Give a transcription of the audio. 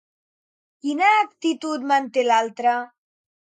Quina actitud manté l'altre?